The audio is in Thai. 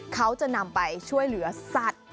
เขาจะนำไปช่วยเหลือสัตว์